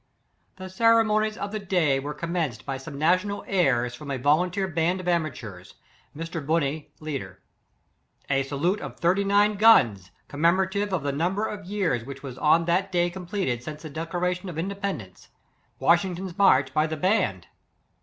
The ceremonies of the day were com menced by some national airs from a vo lunteer band of amateurs, Mr. Bunyie leader. A salute of thirty nine guns, com memorative of the number of years which was on that day completed since the de claration of independence. — ^Washington's march, by the band.